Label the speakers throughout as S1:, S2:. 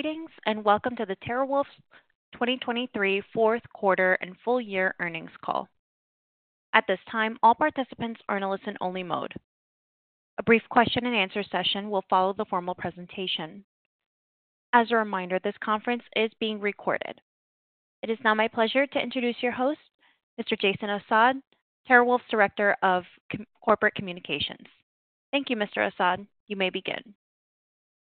S1: Greetings and welcome to the TeraWulf's 2023 fourth quarter and full-year earnings call. At this time, all participants are in a listen-only mode. A brief question-and-answer session will follow the formal presentation. As a reminder, this conference is being recorded. It is now my pleasure to introduce your host, Mr. Jason Assad, TeraWulf's Director of Corporate Communications. Thank you, Mr. Assad. You may begin.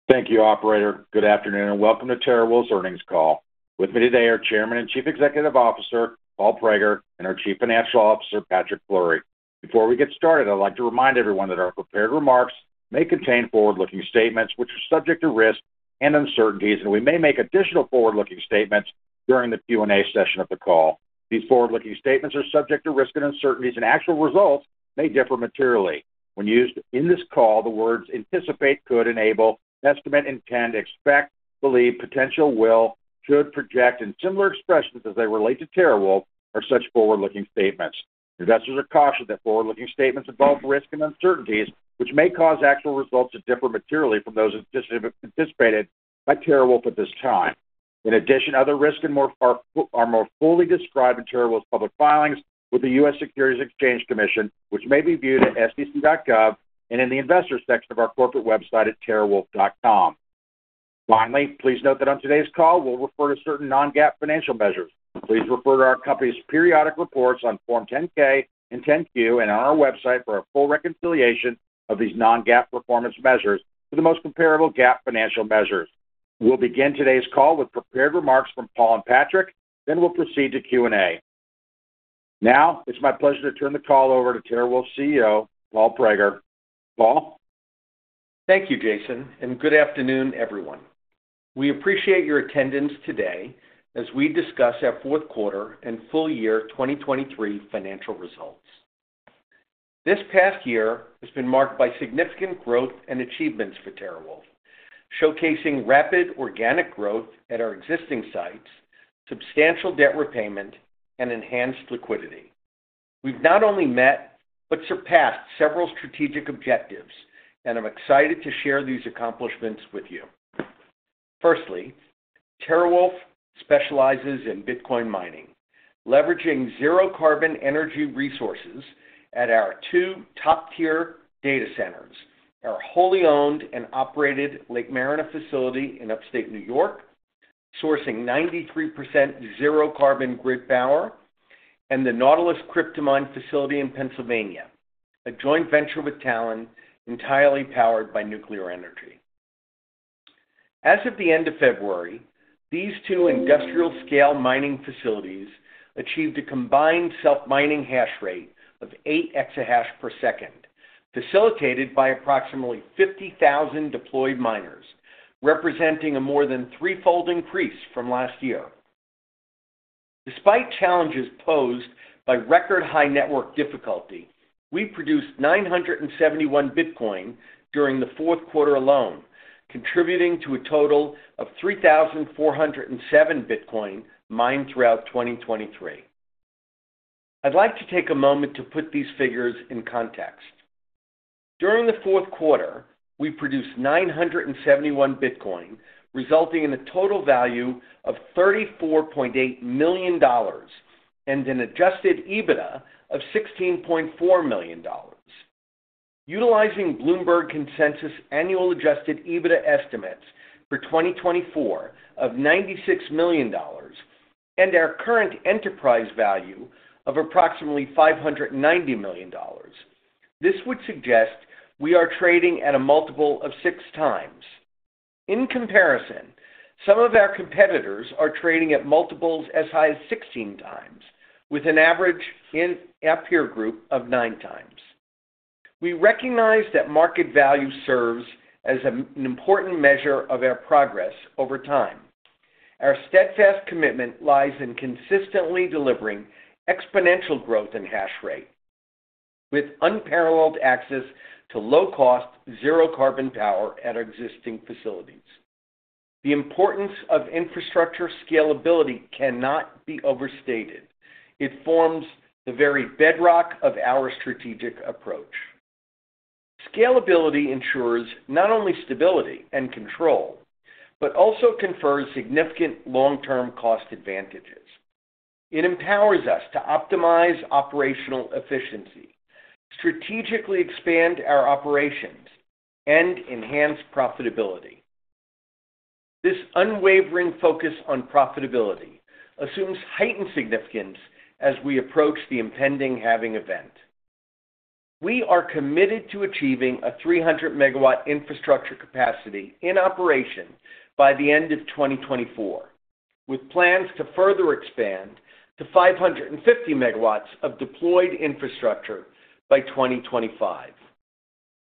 S2: Thank you, Operator. Good afternoon and welcome to TeraWulf's earnings call. With me today are Chairman and Chief Executive Officer Paul Prager and our Chief Financial Officer Patrick Fleury. Before we get started, I'd like to remind everyone that our prepared remarks may contain forward-looking statements which are subject to risk and uncertainties, and we may make additional forward-looking statements during the Q&A session of the call. These forward-looking statements are subject to risk and uncertainties, and actual results may differ materially. When used in this call, the words "anticipate" could enable, "estimate" intend, "expect," "believe," "potential" will, "should," "project," and similar expressions as they relate to TeraWulf are such forward-looking statements. Investors are cautioned that forward-looking statements involve risk and uncertainties which may cause actual results to differ materially from those anticipated by TeraWulf at this time. In addition, other risks are more fully described in TeraWulf's public filings with the U.S. Securities and Exchange Commission, which may be viewed at SEC.gov and in the investors section of our corporate website at TeraWulf.com. Finally, please note that on today's call we'll refer to certain non-GAAP financial measures. Please refer to our company's periodic reports on Form 10-K and 10-Q and on our website for a full reconciliation of these non-GAAP performance measures to the most comparable GAAP financial measures. We'll begin today's call with prepared remarks from Paul and Patrick, then we'll proceed to Q&A. Now it's my pleasure to turn the call over to TeraWulf CEO Paul Prager. Paul?
S3: Thank you, Jason, and good afternoon, everyone. We appreciate your attendance today as we discuss our fourth quarter and full-year 2023 financial results. This past year has been marked by significant growth and achievements for TeraWulf, showcasing rapid organic growth at our existing sites, substantial debt repayment, and enhanced liquidity. We've not only met but surpassed several strategic objectives, and I'm excited to share these accomplishments with you. Firstly, TeraWulf specializes in Bitcoin mining, leveraging zero-carbon energy resources at our two top-tier data centers: our wholly owned and operated Lake Mariner facility in upstate New York, sourcing 93% zero-carbon grid power, and the Nautilus Cryptomine facility in Pennsylvania, a joint venture with Talen Energy entirely powered by nuclear energy. As of the end of February, these two industrial-scale mining facilities achieved a combined self-mining hash rate of 8 EH/s facilitated by approximately 50,000 deployed miners, representing a more than threefold increase from last year. Despite challenges posed by record-high network difficulty, we produced 971 Bitcoin during the fourth quarter alone, contributing to a total of 3,407 Bitcoin mined throughout 2023. I'd like to take a moment to put these figures in context. During the fourth quarter, we produced 971 Bitcoin, resulting in a total value of $34.8 million and an adjusted EBITDA of $16.4 million. Utilizing Bloomberg Consensus annual adjusted EBITDA estimates for 2024 of $96 million and our current enterprise value of approximately $590 million, this would suggest we are trading at a multiple of 6x. In comparison, some of our competitors are trading at multiples as high as 16x, with an average in our peer group of 9x. We recognize that market value serves as an important measure of our progress over time. Our steadfast commitment lies in consistently delivering exponential growth in hash rate, with unparalleled access to low-cost, zero-carbon power at our existing facilities. The importance of infrastructure scalability cannot be overstated. It forms the very bedrock of our strategic approach. Scalability ensures not only stability and control but also confers significant long-term cost advantages. It empowers us to optimize operational efficiency, strategically expand our operations, and enhance profitability. This unwavering focus on profitability assumes heightened significance as we approach the impending halving event. We are committed to achieving a 300-MW infrastructure capacity in operation by the end of 2024, with plans to further expand to 550 MW of deployed infrastructure by 2025.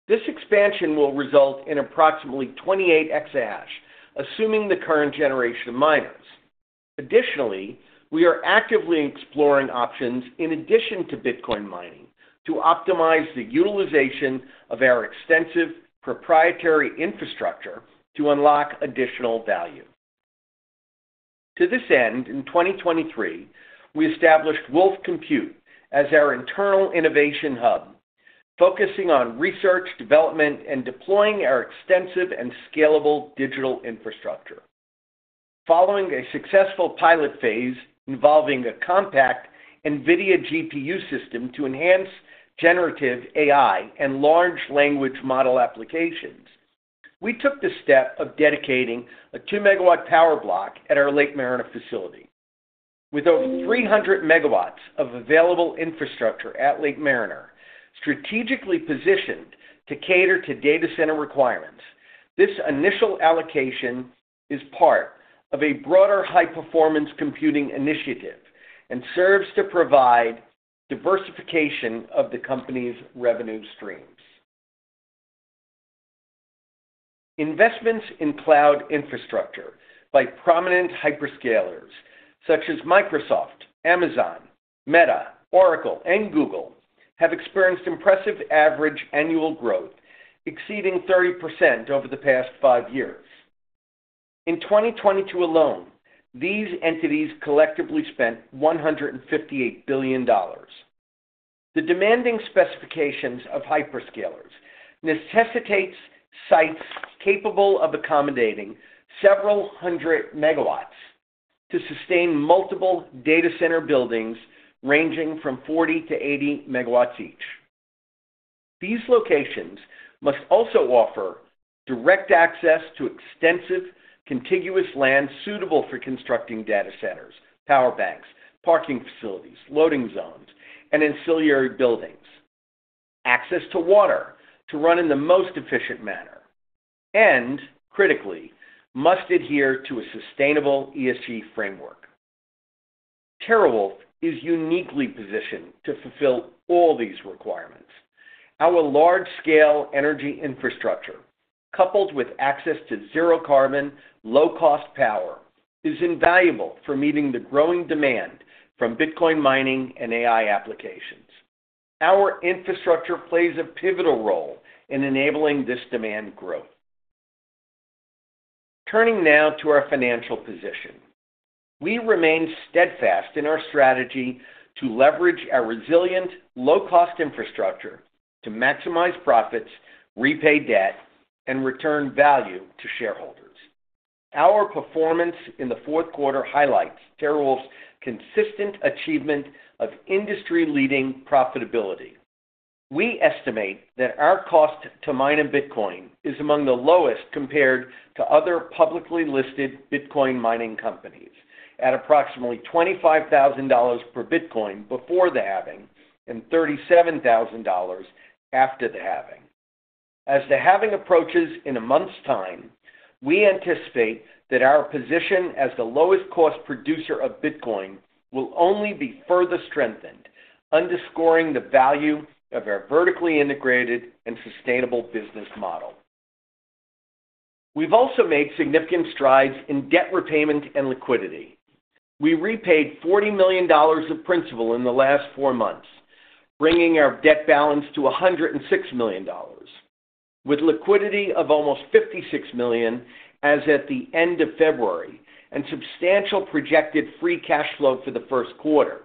S3: This expansion will result in approximately 28 assuming the current generation of miners. Additionally, we are actively exploring options in addition to Bitcoin mining to optimize the utilization of our extensive proprietary infrastructure to unlock additional value. To this end, in 2023, we established Wolf Compute as our internal innovation hub, focusing on research, development, and deploying our extensive and scalable digital infrastructure. Following a successful pilot phase involving a compact NVIDIA GPU system to enhance generative AI and large language model applications, we took the step of dedicating a 2-MW power block at our Lake Mariner facility. With over 300 MW of available infrastructure at Lake Mariner strategically positioned to cater to data center requirements, this initial allocation is part of a broader high-performance computing initiative and serves to provide diversification of the company's revenue streams. Investments in cloud infrastructure by prominent hyperscalers such as Microsoft, Amazon, Meta, Oracle, and Google have experienced impressive average annual growth, exceeding 30% over the past five years. In 2022 alone, these entities collectively spent $158 billion. The demanding specifications of hyperscalers necessitate sites capable of accommodating several hundred MW to sustain multiple data center buildings ranging from 40-80 MW each. These locations must also offer direct access to extensive contiguous land suitable for constructing data centers, power banks, parking facilities, loading zones, and ancillary buildings, access to water to run in the most efficient manner, and, critically, must adhere to a sustainable ESG framework. TeraWulf is uniquely positioned to fulfill all these requirements. Our large-scale energy infrastructure, coupled with access to zero-carbon, low-cost power, is invaluable for meeting the growing demand from Bitcoin mining and AI applications. Our infrastructure plays a pivotal role in enabling this demand growth. Turning now to our financial position. We remain steadfast in our strategy to leverage our resilient, low-cost infrastructure to maximize profits, repay debt, and return value to shareholders. Our performance in the fourth quarter highlights TeraWulf's consistent achievement of industry-leading profitability. We estimate that our cost to mine a Bitcoin is among the lowest compared to other publicly listed Bitcoin mining companies, at approximately $25,000 per Bitcoin before the halving and $37,000 after the halving. As the halving approaches in a month's time, we anticipate that our position as the lowest-cost producer of Bitcoin will only be further strengthened, underscoring the value of our vertically integrated and sustainable business model. We've also made significant strides in debt repayment and liquidity. We repaid $40 million of principal in the last four months, bringing our debt balance to $106 million, with liquidity of almost $56 million as at the end of February and substantial projected free cash flow for the first quarter.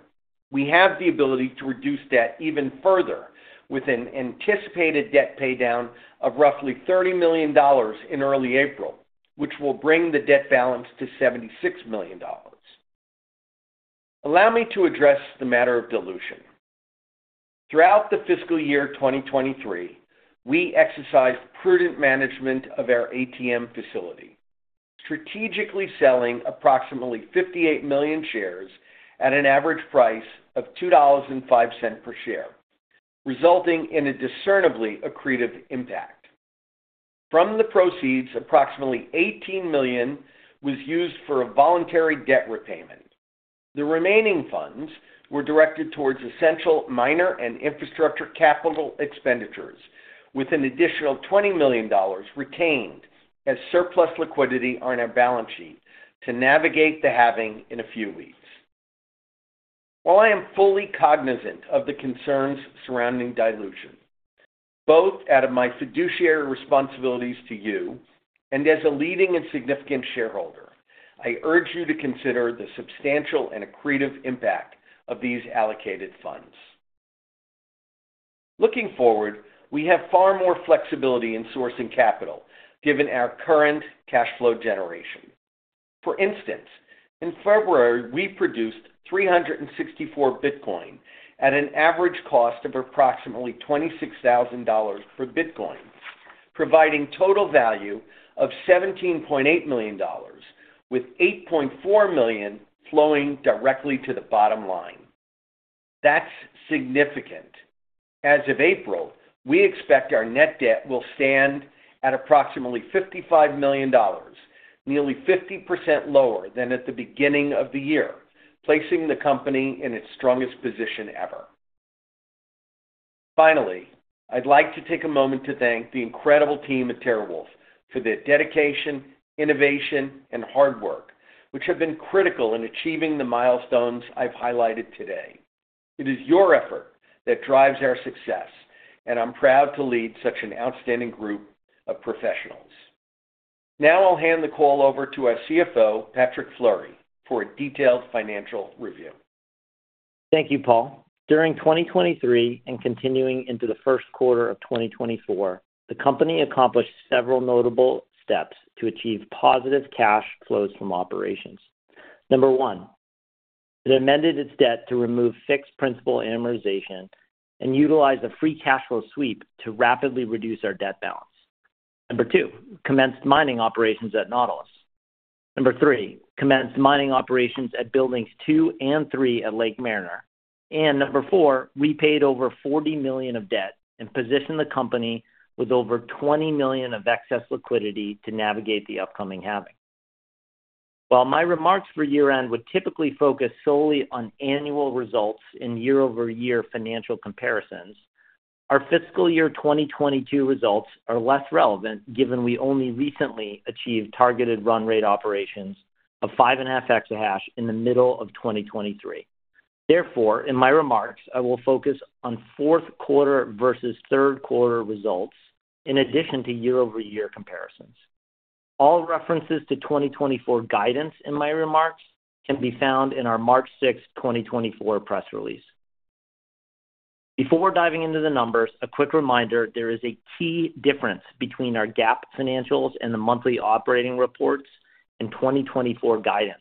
S3: We have the ability to reduce debt even further with an anticipated debt paydown of roughly $30 million in early April, which will bring the debt balance to $76 million. Allow me to address the matter of dilution. Throughout the fiscal year 2023, we exercised prudent management of our ATM facility, strategically selling approximately 58 million shares at an average price of $2.05 per share, resulting in a discernibly accretive impact. From the proceeds, approximately $18 million was used for a voluntary debt repayment. The remaining funds were directed towards essential miner and infrastructure capital expenditures, with an additional $20 million retained as surplus liquidity on our balance sheet to navigate the halving in a few weeks. While I am fully cognizant of the concerns surrounding dilution, both out of my fiduciary responsibilities to you and as a leading and significant shareholder, I urge you to consider the substantial and accretive impact of these allocated funds. Looking forward, we have far more flexibility in sourcing capital given our current cash flow generation. For instance, in February, we produced 364 Bitcoin at an average cost of approximately $26,000 per Bitcoin, providing total value of $17.8 million, with $8.4 million flowing directly to the bottom line. That's significant. As of April, we expect our net debt will stand at approximately $55 million, nearly 50% lower than at the beginning of the year, placing the company in its strongest position ever. Finally, I'd like to take a moment to thank the incredible team at TeraWulf for their dedication, innovation, and hard work, which have been critical in achieving the milestones I've highlighted today. It is your effort that drives our success, and I'm proud to lead such an outstanding group of professionals. Now I'll hand the call over to our CFO, Patrick Fleury, for a detailed financial review.
S4: Thank you, Paul. During 2023 and continuing into the first quarter of 2024, the company accomplished several notable steps to achieve positive cash flows from operations. Number one, it amended its debt to remove fixed principal amortization and utilize a free cash flow sweep to rapidly reduce our debt balance. Number two, commenced mining operations at Nautilus. Number three, commenced mining operations at buildings two and three at Lake Mariner. And number four, repaid over $40 million of debt and positioned the company with over $20 million of excess liquidity to navigate the upcoming halving. While my remarks for year-end would typically focus solely on annual results and year-over-year financial comparisons, our fiscal year 2022 results are less relevant given we only recently achieved targeted run rate operations of 5.5 in the middle of 2023. Therefore, in my remarks, I will focus on fourth quarter versus third quarter results in addition to year-over-year comparisons. All references to 2024 guidance in my remarks can be found in our March 6, 2024, press release. Before diving into the numbers, a quick reminder: there is a key difference between our GAAP financials and the monthly operating reports in 2024 guidance.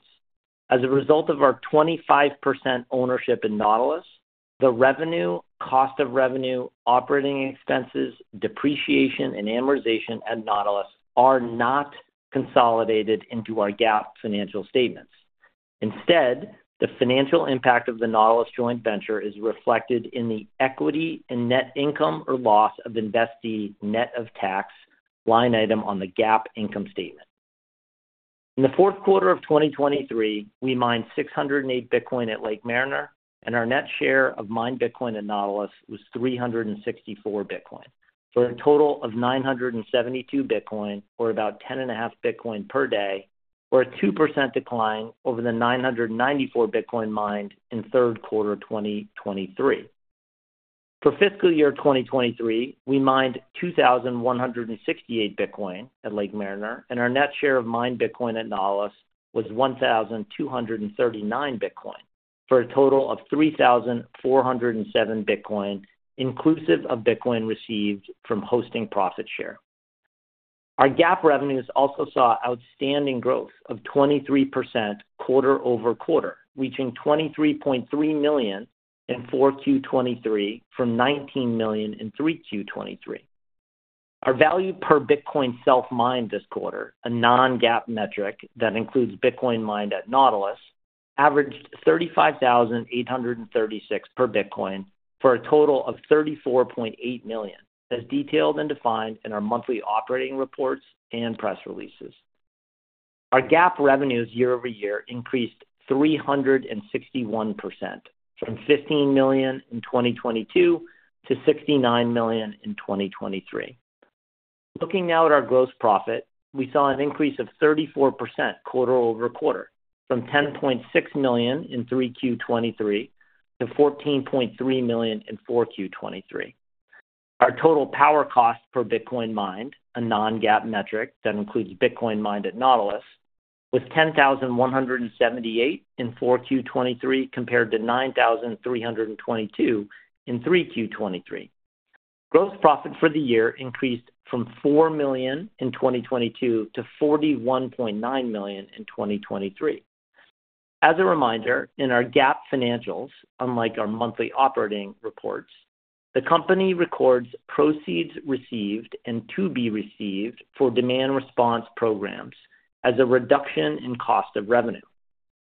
S4: As a result of our 25% ownership in Nautilus, the revenue, cost of revenue, operating expenses, depreciation, and amortization at Nautilus are not consolidated into our GAAP financial statements. Instead, the financial impact of the Nautilus joint venture is reflected in the equity and net income or loss of investee net of tax line item on the GAAP income statement. In the fourth quarter of 2023, we mined 608 Bitcoin at Lake Mariner, and our net share of mined Bitcoin at Nautilus was 364 Bitcoin, for a total of 972 Bitcoin, or about 10.5 Bitcoin per day, or a 2% decline over the 994 Bitcoin mined in third quarter 2023. For fiscal year 2023, we mined 2,168 Bitcoin at Lake Mariner, and our net share of mined Bitcoin at Nautilus was 1,239 Bitcoin, for a total of 3,407 Bitcoin, inclusive of Bitcoin received from hosting profit share. Our GAAP revenues also saw outstanding growth of 23% quarter-over-quarter, reaching $23.3 million in 4Q23 from $19 million in 3Q23. Our value per Bitcoin self-mined this quarter, a non-GAAP metric that includes Bitcoin mined at Nautilus, averaged 35,836 per Bitcoin, for a total of $34.8 million, as detailed and defined in our monthly operating reports and press releases. Our GAAP revenues year-over-year increased 361% from $15 million in 2022 to $69 million in 2023. Looking now at our gross profit, we saw an increase of 34% quarter-over-quarter, from $10.6 million in 3Q23 to $14.3 million in 4Q23. Our total power cost per Bitcoin mined, a non-GAAP metric that includes Bitcoin mined at Nautilus, was $10,178 in 4Q23 compared to $9,322 in 3Q23. Gross profit for the year increased from $4 million in 2022 to $41.9 million in 2023. As a reminder, in our GAAP financials, unlike our monthly operating reports, the company records proceeds received and to be received for demand response programs as a reduction in cost of revenue.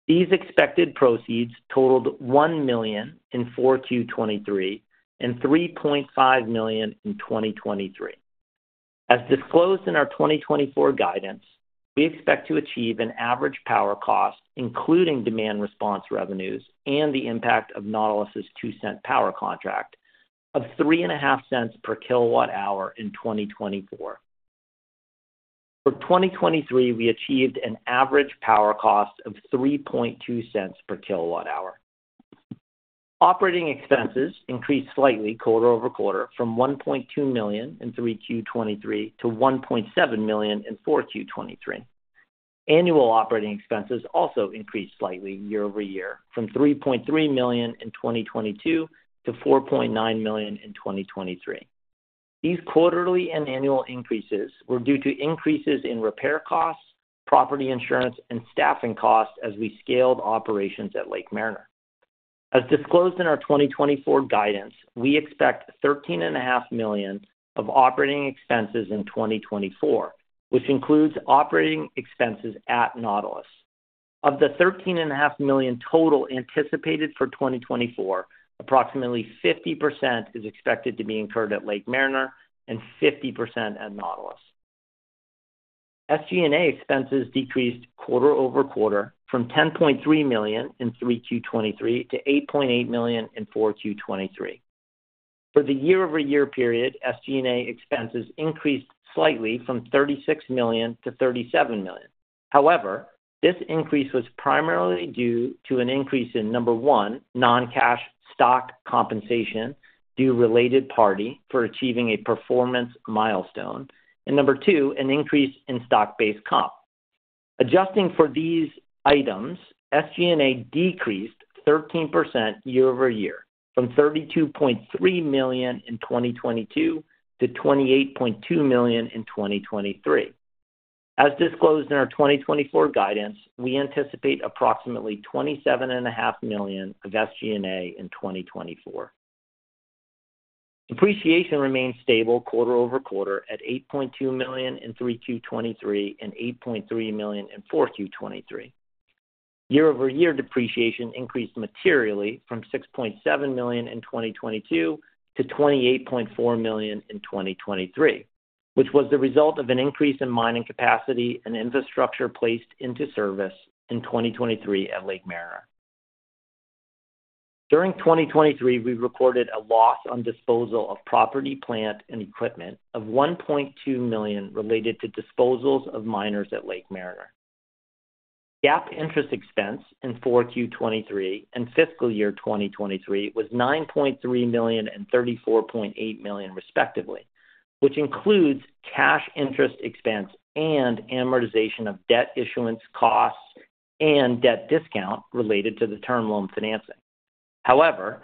S4: These expected proceeds totaled $1 million in 4Q23 and $3.5 million in 2023. As disclosed in our 2024 guidance, we expect to achieve an average power cost, including demand response revenues and the impact of Nautilus's $0.02 power contract, of $0.035 per kilowatt-hour in 2024. For 2023, we achieved an average power cost of $0.032 per kilowatt-hour. Operating expenses increased slightly quarter-over-quarter, from $1.2 million in 3Q23 to $1.7 million in 4Q23. Annual operating expenses also increased slightly year-over-year, from $3.3 million in 2022 to $4.9 million in 2023. These quarterly and annual increases were due to increases in repair costs, property insurance, and staffing costs as we scaled operations at Lake Mariner. As disclosed in our 2024 guidance, we expect $13.5 million of operating expenses in 2024, which includes operating expenses at Nautilus. Of the $13.5 million total anticipated for 2024, approximately 50% is expected to be incurred at Lake Mariner and 50% at Nautilus. SG&A expenses decreased quarter-over-quarter, from $10.3 million in 3Q23 to $8.8 million in 4Q23. For the year-over-year period, SG&A expenses increased slightly from $36 million to $37 million. However, this increase was primarily due to an increase in, number one, non-cash stock compensation due related party for achieving a performance milestone, and number two, an increase in stock-based comp. Adjusting for these items, SG&A decreased 13% year-over-year, from $32.3 million in 2022 to $28.2 million in 2023. As disclosed in our 2024 guidance, we anticipate approximately $27.5 million of SG&A in 2024. Depreciation remained stable quarter-over-quarter at $8.2 million in 3Q23 and $8.3 million in 4Q23. Year-over-year depreciation increased materially from $6.7 million in 2022 to $28.4 million in 2023, which was the result of an increase in mining capacity and infrastructure placed into service in 2023 at Lake Mariner. During 2023, we recorded a loss on disposal of property, plant, and equipment of $1.2 million related to disposals of miners at Lake Mariner. GAAP interest expense in 4Q23 and fiscal year 2023 was $9.3 million and $34.8 million, respectively, which includes cash interest expense and amortization of debt issuance costs and debt discount related to the term loan financing. However,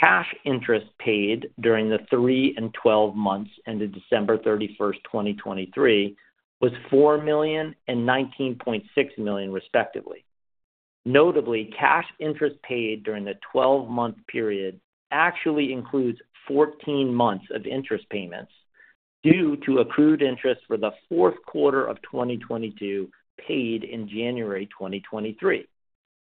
S4: cash interest paid during the 3 and 12 months ended December 31, 2023, was $4 million and $19.6 million, respectively. Notably, cash interest paid during the 12-month period actually includes 14 months of interest payments due to accrued interest for the fourth quarter of 2022 paid in January 2023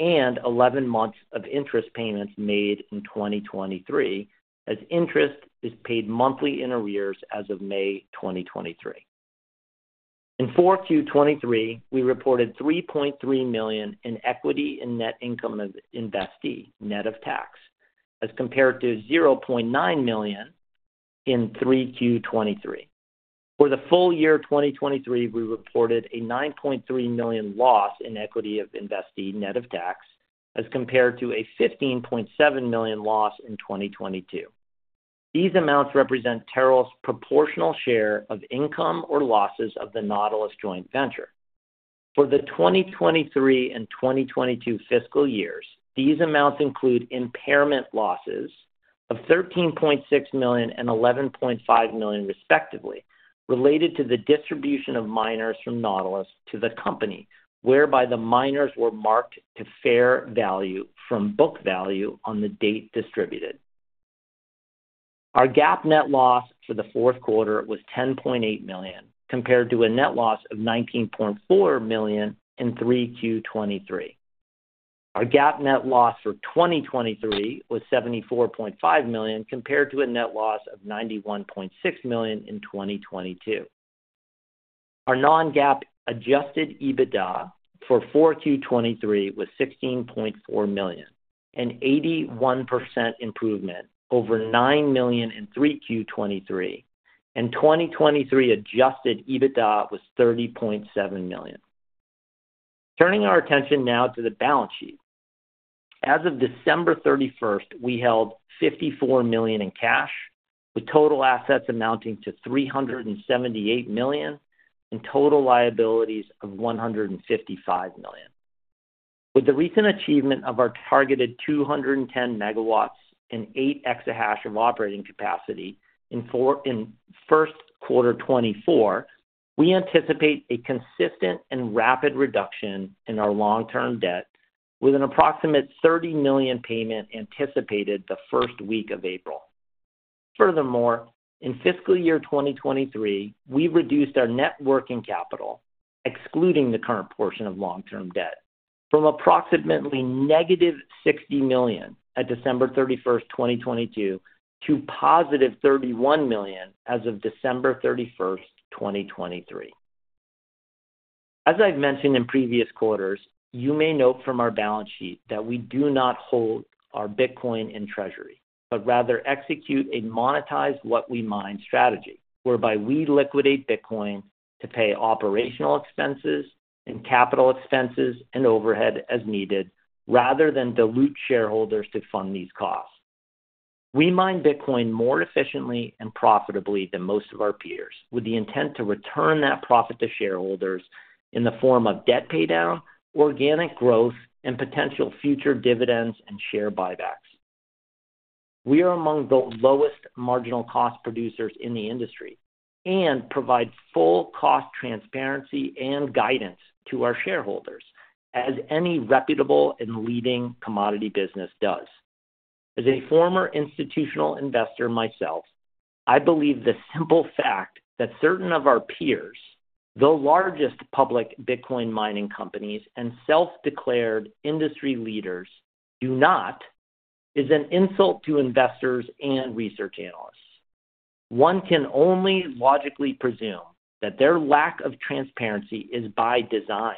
S4: and 11 months of interest payments made in 2023, as interest is paid monthly in arrears as of May 2023. In 4Q23, we reported $3.3 million in equity and net income of investee net of tax, as compared to $0.9 million in 3Q23. For the full year 2023, we reported a $9.3 million loss in equity of investee net of tax, as compared to a $15.7 million loss in 2022. These amounts represent TeraWulf's proportional share of income or losses of the Nautilus joint venture. For the 2023 and 2022 fiscal years, these amounts include impairment losses of $13.6 million and $11.5 million, respectively, related to the distribution of miners from Nautilus to the company, whereby the miners were marked to fair value from book value on the date distributed. Our GAAP net loss for the fourth quarter was $10.8 million, compared to a net loss of $19.4 million in 3Q23. Our GAAP net loss for 2023 was $74.5 million, compared to a net loss of $91.6 million in 2022. Our non-GAAP adjusted EBITDA for 4Q23 was $16.4 million, an 81% improvement over $9 million in 3Q23, and 2023 adjusted EBITDA was $30.7 million. Turning our attention now to the balance sheet. As of December 31, we held $54 million in cash, with total assets amounting to $378 million and total liabilities of $155 million. With the recent achievement of our targeted 210 MW and 8.0 EH/s of operating capacity in first quarter 2024, we anticipate a consistent and rapid reduction in our long-term debt, with an approximate $30 million payment anticipated the first week of April. Furthermore, in fiscal year 2023, we reduced our net working capital, excluding the current portion of long-term debt, from approximately -$60 million at December 31, 2022, to positive $31 million as of December 31, 2023. As I've mentioned in previous quarters, you may note from our balance sheet that we do not hold our Bitcoin in Treasury, but rather execute a monetize what we mine strategy, whereby we liquidate Bitcoin to pay operational expenses and capital expenses and overhead as needed, rather than dilute shareholders to fund these costs. We mine Bitcoin more efficiently and profitably than most of our peers, with the intent to return that profit to shareholders in the form of debt paydown, organic growth, and potential future dividends and share buybacks. We are among the lowest marginal cost producers in the industry and provide full cost transparency and guidance to our shareholders, as any reputable and leading commodity business does. As a former institutional investor myself, I believe the simple fact that certain of our peers, the largest public Bitcoin mining companies and self-declared industry leaders, do not is an insult to investors and research analysts. One can only logically presume that their lack of transparency is by design,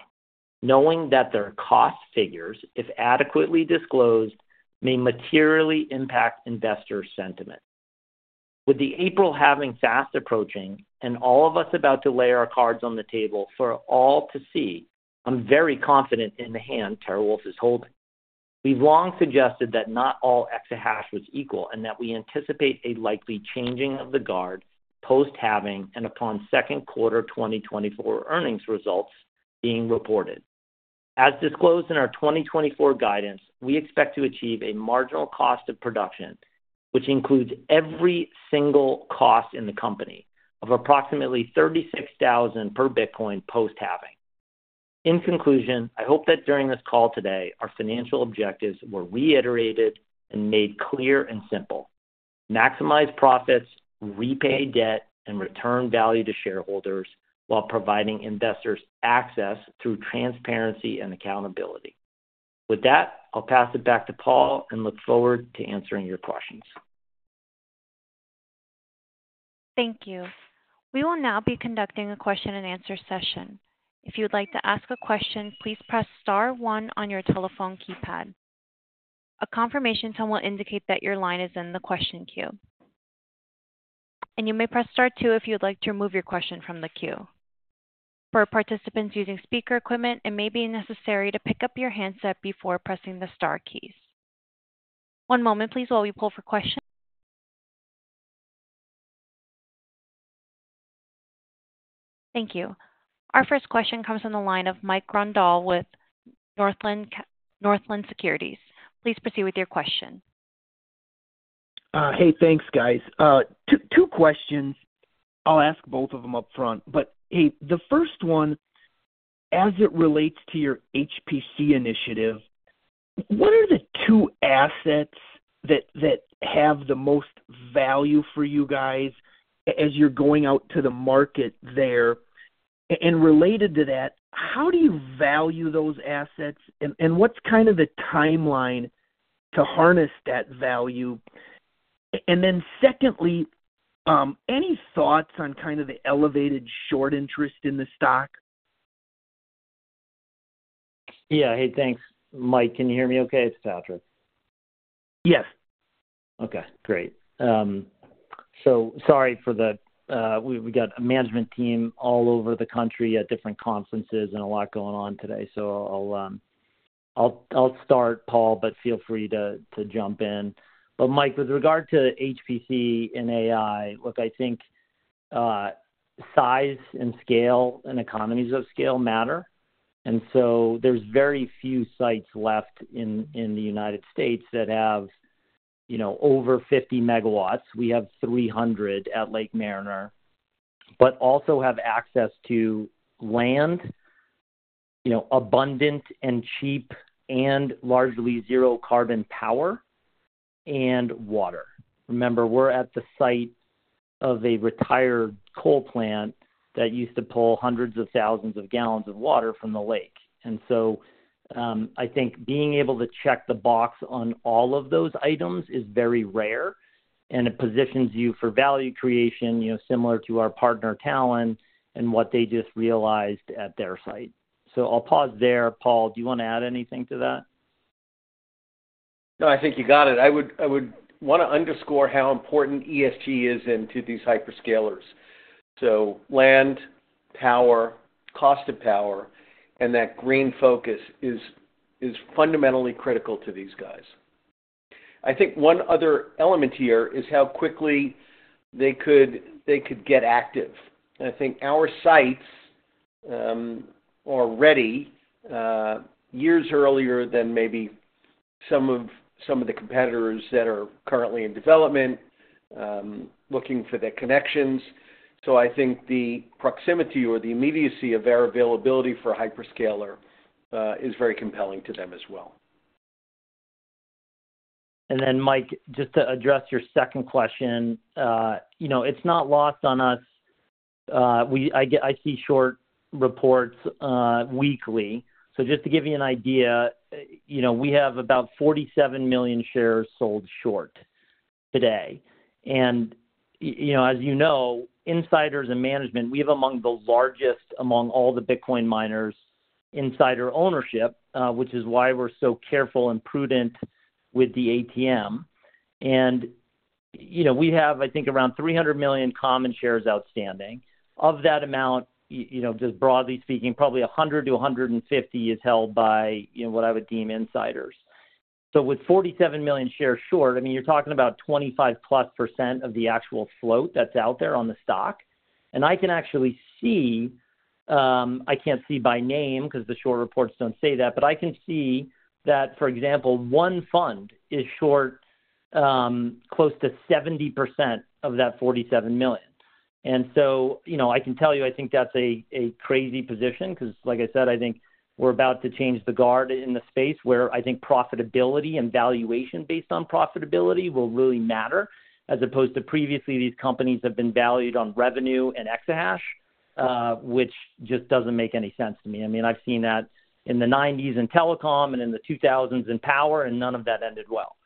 S4: knowing that their cost figures, if adequately disclosed, may materially impact investor sentiment. With the April halving fast approaching and all of us about to lay our cards on the table for all to see, I'm very confident in the hand TeraWulf is holding. We've long suggested that not all was equal and that we anticipate a likely changing of the guard post-halving and upon second quarter 2024 earnings results being reported. As disclosed in our 2024 guidance, we expect to achieve a marginal cost of production, which includes every single cost in the company, of approximately $36,000 per Bitcoin post-halving. In conclusion, I hope that during this call today, our financial objectives were reiterated and made clear and simple: maximize profits, repay debt, and return value to shareholders while providing investors access through transparency and accountability. With that, I'll pass it back to Paul and look forward to answering your questions.
S1: Thank you. We will now be conducting a question-and-answer session. If you would like to ask a question, please press star 1 on your telephone keypad. A confirmation tone will indicate that your line is in the question queue. And you may press star 2 if you would like to remove your question from the queue. For participants using speaker equipment, it may be necessary to pick up your handset before pressing the star keys. One moment, please, while we pull for questions. Thank you. Our first question comes on the line of Mike Grondahl with Northland Securities. Please proceed with your question.
S5: Hey, thanks, guys. 2 questions. I'll ask both of them up front. Hey, the first one, as it relates to your HPC initiative, what are the two assets that have the most value for you guys as you're going out to the market there? And related to that, how do you value those assets, and what's kind of the timeline to harness that value? And then secondly, any thoughts on kind of the elevated short interest in the stock?
S4: Yeah. Hey, thanks. Mike, can you hear me okay? It's Patrick.
S3: Yes.
S4: Okay. Great. So sorry for the, we've got a management team all over the country at different conferences and a lot going on today. So I'll start, Paul, but feel free to jump in. But, Mike, with regard to HPC and AI, look, I think size and scale and economies of scale matter. And so there's very few sites left in the United States that have over 50 MW. We have 300 MW at Lake Mariner, but also have access to land, abundant and cheap and largely zero-carbon power, and water. Remember, we're at the site of a retired coal plant that used to pull hundreds of thousands of gallons of water from the lake. I think being able to check the box on all of those items is very rare, and it positions you for value creation similar to our partner Talen and what they just realized at their site. I'll pause there. Paul, do you want to add anything to that?
S3: No, I think you got it. I would want to underscore how important ESG is to these hyperscalers. So land, power, cost of power, and that green focus is fundamentally critical to these guys. I think one other element here is how quickly they could get active. And I think our sites are ready years earlier than maybe some of the competitors that are currently in development looking for their connections. So I think the proximity or the immediacy of their availability for a hyperscaler is very compelling to them as well.
S4: And then, Mike, just to address your second question, it's not lost on us. I see short reports weekly. So just to give you an idea, we have about 47 million shares sold short today. And as you know, insiders and management, we have among the largest among all the Bitcoin miners insider ownership, which is why we're so careful and prudent with the ATM. And we have, I think, around 300 million common shares outstanding. Of that amount, just broadly speaking, probably 100-150 is held by what I would deem insiders. So with 47 million shares short, I mean, you're talking about 25%+ of the actual float that's out there on the stock. I can actually see I can't see by name because the short reports don't say that, but I can see that, for example, one fund is short close to 70% of that 47 million. And so I can tell you I think that's a crazy position because, like I said, I think we're about to change the guard in the space where I think profitability and valuation based on profitability will really matter, as opposed to previously these companies have been valued on revenue and which just doesn't make any sense to me. I mean, I've seen that in the '90s in telecom and in the 2000s in power, and none of that ended well.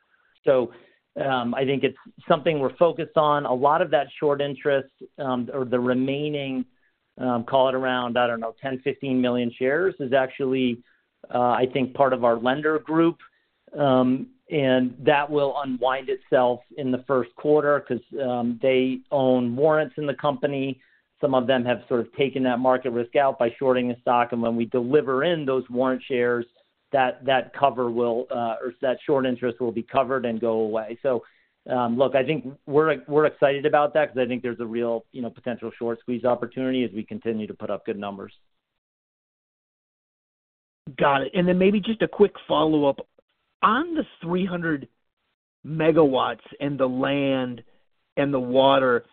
S4: So I think it's something we're focused on. A lot of that short interest or the remaining, call it around, I don't know, 10 million-15 million shares is actually, I think, part of our lender group. And that will unwind itself in the first quarter because they own warrants in the company. Some of them have sort of taken that market risk out by shorting the stock. And when we deliver in those warrant shares, that cover will or that short interest will be covered and go away. So, look, I think we're excited about that because I think there's a real potential short squeeze opportunity as we continue to put up good numbers.
S5: Got it. And then maybe just a quick follow-up. On the 300 MW and the land and the water,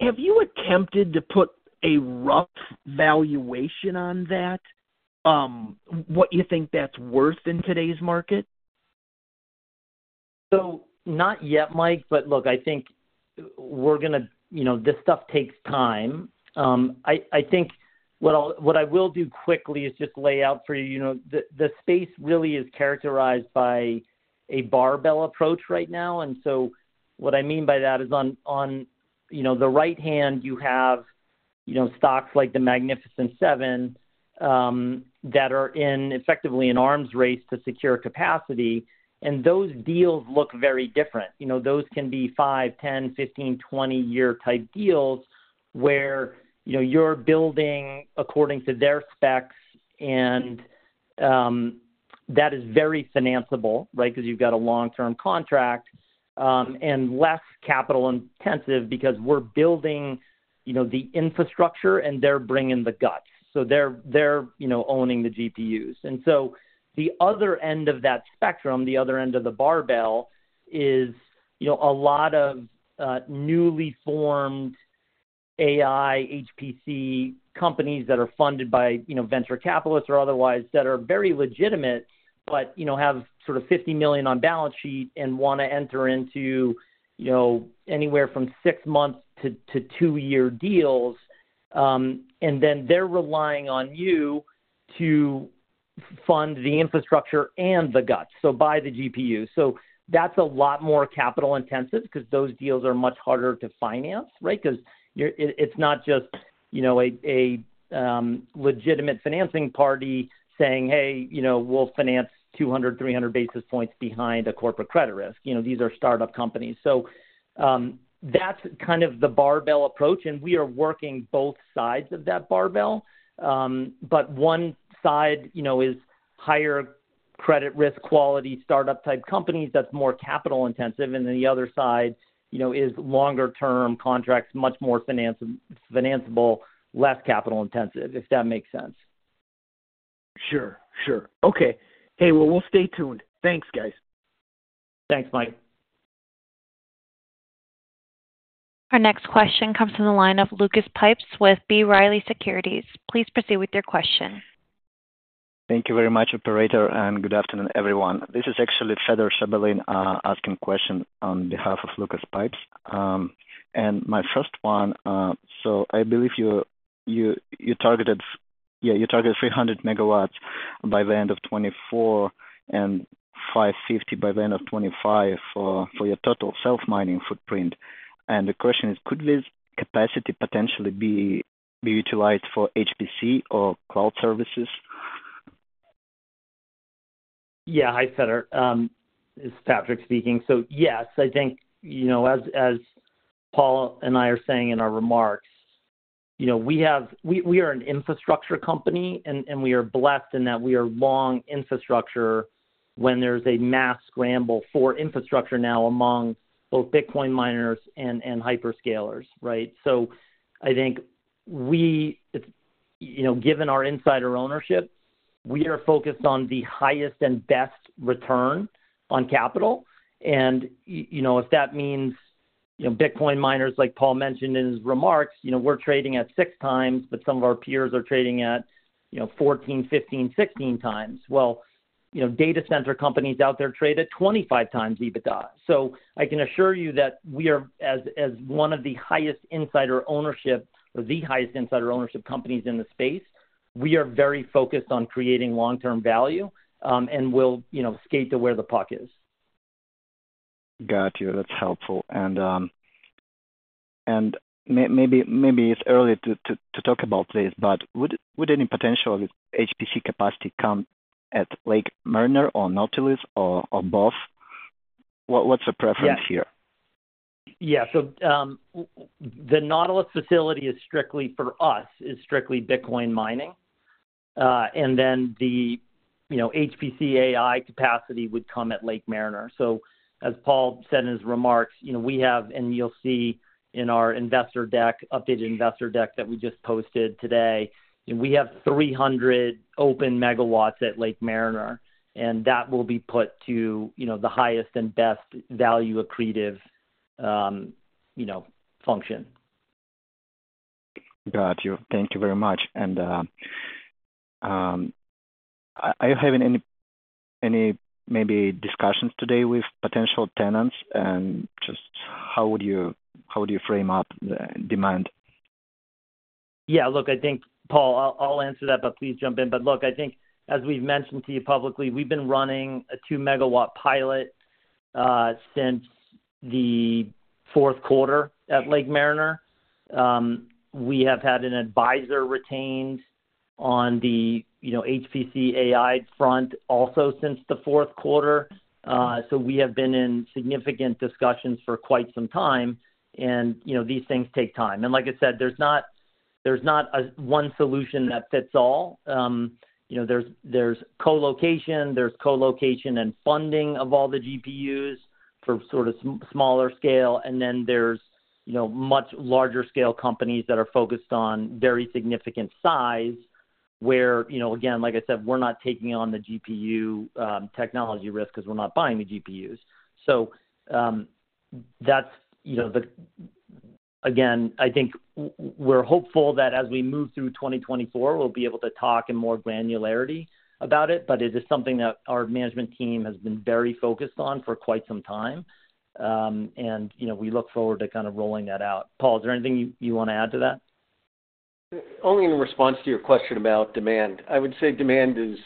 S5: have you attempted to put a rough valuation on that, what you think that's worth in today's market?
S4: So not yet, Mike. But, look, I think we're going to. This stuff takes time. I think what I will do quickly is just lay out for you the space really is characterized by a barbell approach right now. And so what I mean by that is on the right hand, you have stocks like the Magnificent Seven that are effectively in arms race to secure capacity. And those deals look very different. Those can be five, 10, 15, 20-year type deals where you're building according to their specs, and that is very financeable, right, because you've got a long-term contract and less capital-intensive because we're building the infrastructure and they're bringing the guts. So they're owning the GPUs. And so the other end of that spectrum, the other end of the barbell, is a lot of newly formed AI, HPC companies that are funded by venture capitalists or otherwise that are very legitimate but have sort of $50 million on balance sheet and want to enter into anywhere from six-month to two-year deals. And then they're relying on you to fund the infrastructure and the guts, so buy the GPUs. So that's a lot more capital-intensive because those deals are much harder to finance, right, because it's not just a legitimate financing party saying, "Hey, we'll finance 200-300 basis points behind a corporate credit risk." These are startup companies. So that's kind of the barbell approach. And we are working both sides of that barbell. But one side is higher credit risk quality startup-type companies. That's more capital-intensive. And then the other side is longer-term contracts, much more financeable, less capital-intensive, if that makes sense.
S5: Sure. Sure. Okay. Hey, well, we'll stay tuned. Thanks, guys.
S4: Thanks, Mike.
S1: Our next question comes on the line of Lucas Pipes with B. Riley Securities. Please proceed with your question.
S6: Thank you very much, operator, and good afternoon, everyone. This is actually Fedor Shabalin asking a question on behalf of Lucas Pipes. And my first one, so I believe you targeted yeah, you targeted 300 MW by the end of 2024 and 550 MW by the end of 2025 for your total self-mining footprint. And the question is, could this capacity potentially be utilized for HPC or cloud services?
S4: Yeah. Hi, Fedor. It's Patrick speaking. So yes, I think, as Paul and I are saying in our remarks, we are an infrastructure company, and we are blessed in that we are long infrastructure when there's a mass scramble for infrastructure now among both Bitcoin miners and hyperscalers, right? So I think, given our insider ownership, we are focused on the highest and best return on capital. And if that means Bitcoin miners, like Paul mentioned in his remarks, we're trading at 6x, but some of our peers are trading at 14x, 15x, 16x. Well, data center companies out there trade at 25x EBITDA. So I can assure you that we are, as one of the highest insider ownership or the highest insider ownership companies in the space, we are very focused on creating long-term value and will skate to where the puck is.
S6: Got you. That's helpful. And maybe it's early to talk about this, but would any potential HPC capacity come at Lake Mariner or Nautilus or both? What's the preference here?
S4: Yeah. Yeah. So the Nautilus facility is strictly for us, is strictly Bitcoin mining. And then the HPC AI capacity would come at Lake Mariner. So, as Paul said in his remarks, we have and you'll see in our investor deck, updated investor deck that we just posted today, we have 300 open MW at Lake Mariner. And that will be put to the highest and best value accretive function.
S6: Got you. Thank you very much. Are you having any maybe discussions today with potential tenants, and just how would you frame up the demand?
S4: Yeah. Look, I think, Paul, I'll answer that, but please jump in. But, look, I think, as we've mentioned to you publicly, we've been running a 2 MW pilot since the fourth quarter at Lake Mariner. We have had an advisor retained on the HPC AI front also since the fourth quarter. So we have been in significant discussions for quite some time. And these things take time. And like I said, there's not one solution that fits all. There's colocation. There's colocation and funding of all the GPUs for sort of smaller scale. And then there's much larger-scale companies that are focused on very significant size where, again, like I said, we're not taking on the GPU technology risk because we're not buying the GPUs. So that's the again, I think we're hopeful that as we move through 2024, we'll be able to talk in more granularity about it. It is something that our management team has been very focused on for quite some time. We look forward to kind of rolling that out. Paul, is there anything you want to add to that?
S3: Only in response to your question about demand. I would say demand is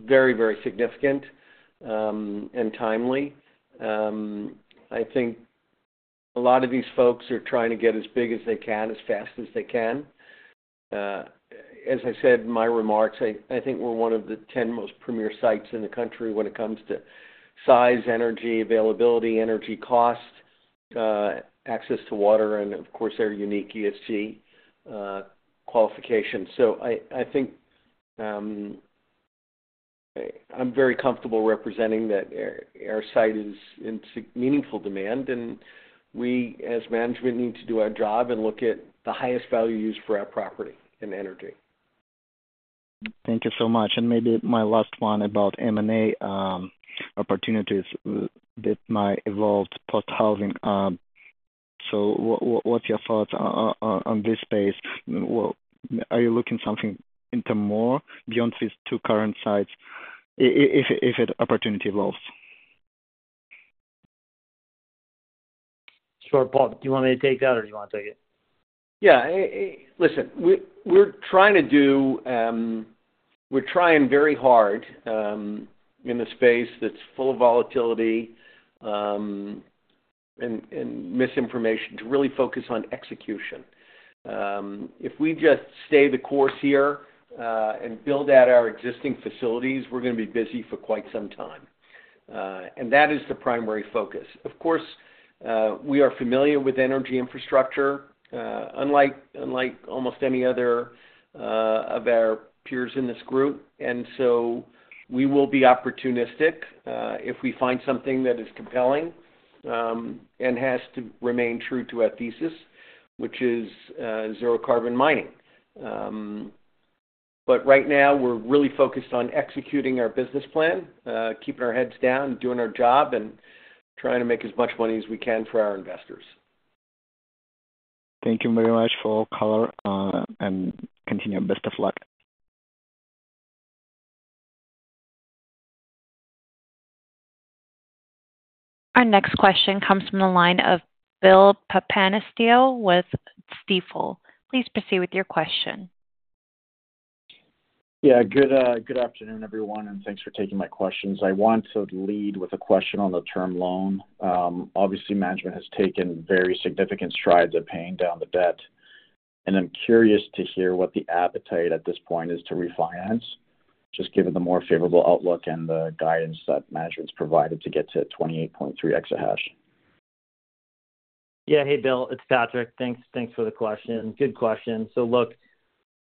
S3: very, very significant and timely. I think a lot of these folks are trying to get as big as they can, as fast as they can. As I said in my remarks, I think we're one of the 10 most premier sites in the country when it comes to size, energy, availability, energy cost, access to water, and, of course, their unique ESG qualification. So I think I'm very comfortable representing that our site is in meaningful demand. And we, as management, need to do our job and look at the highest value used for our property and energy.
S7: Thank you so much. Maybe my last one about M&A opportunities with my Evolved Post-Housing. What's your thoughts on this space? Are you looking at something more beyond these two current sites if an opportunity evolves?
S6: Sure, Paul. Do you want me to take that, or do you want to take it?
S3: Yeah. Listen, we're trying very hard in a space that's full of volatility and misinformation to really focus on execution. If we just stay the course here and build out our existing facilities, we're going to be busy for quite some time. That is the primary focus. Of course, we are familiar with energy infrastructure, unlike almost any other of our peers in this group. So we will be opportunistic if we find something that is compelling and has to remain true to our thesis, which is zero-carbon mining. But right now, we're really focused on executing our business plan, keeping our heads down, doing our job, and trying to make as much money as we can for our investors.
S6: Thank you very much for all color. And continued best of luck.
S1: Our next question comes from the line of Bill Papanastasiou with Stifel. Please proceed with your question.
S8: Yeah. Good afternoon, everyone, and thanks for taking my questions. I want to lead with a question on the term loan. Obviously, management has taken very significant strides at paying down the debt. I'm curious to hear what the appetite at this point is to refinance, just given the more favorable outlook and the guidance that management's provided to get to 28.3.
S4: Yeah. Hey, Bill. It's Patrick. Thanks for the question. Good question. So, look,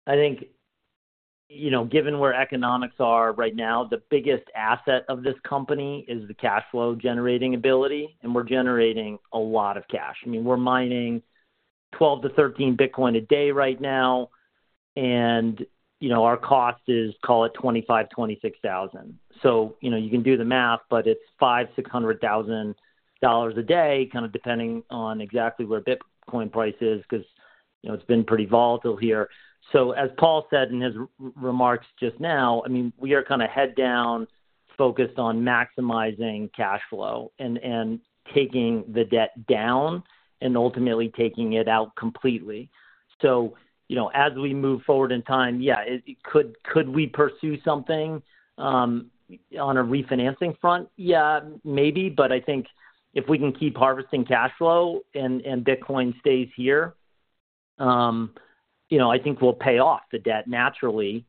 S4: I think given where economics are right now, the biggest asset of this company is the cash flow generating ability. And we're generating a lot of cash. I mean, we're mining 12-13 Bitcoin a day right now. And our cost is, call it, $25,000-$26,000. So you can do the math, but it's $500,000-$600,000 a day, kind of depending on exactly where Bitcoin price is because it's been pretty volatile here. So, as Paul said in his remarks just now, I mean, we are kind of head down focused on maximizing cash flow and taking the debt down and ultimately taking it out completely. So, as we move forward in time, yeah, could we pursue something on a refinancing front? Yeah, maybe. But I think if we can keep harvesting cash flow and Bitcoin stays here, I think we'll pay off the debt naturally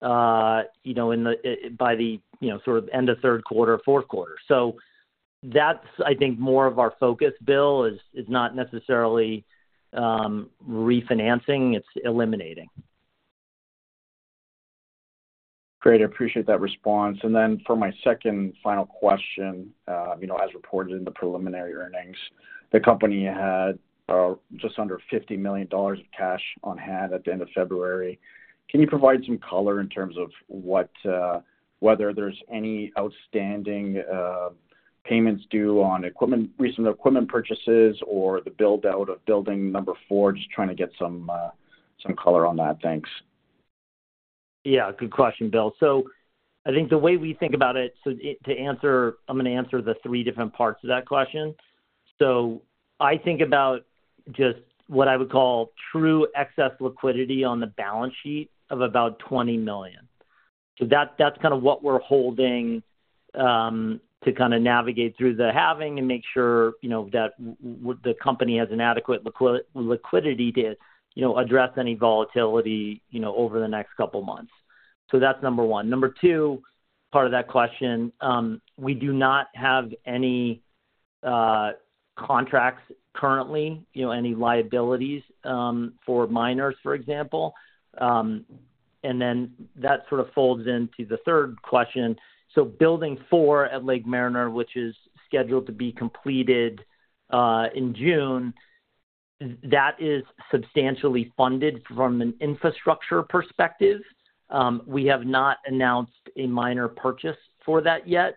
S4: by the sort of end of third quarter, fourth quarter. So that's, I think, more of our focus, Bill, is not necessarily refinancing. It's eliminating.
S8: Great. I appreciate that response. And thn for my second final question, as reported in the preliminary earnings, the company had just under $50 million of cash on hand at the end of February. Can you provide some color in terms of whether there's any outstanding payments due on recent equipment purchases or the build-out of building number four? Just trying to get some color on that. Thanks.
S4: Yeah. Good question, Bill. So I think the way we think about it so to answer, I'm going to answer the three different parts of that question. So I think about just what I would call true excess liquidity on the balance sheet of about $20 million. So that's kind of what we're holding to kind of navigate through the halving and make sure that the company has an adequate liquidity to address any volatility over the next couple of months. So that's number one. Number two, part of that question, we do not have any contracts currently, any liabilities for miners, for example. And then that sort of folds into the third question. So building four at Lake Mariner, which is scheduled to be completed in June, that is substantially funded from an infrastructure perspective. We have not announced a miner purchase for that yet.